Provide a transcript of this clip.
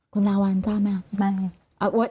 คุณลาวัลทราบไหมครับ